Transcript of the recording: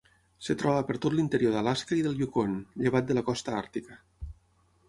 Es troba per tot l'interior d'Alaska i del Yukon, llevat de la costa àrtica.